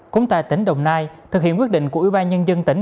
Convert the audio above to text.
cũng tại tỉnh đồng nai thực hiện quyết định của ủy ban nhân dân tỉnh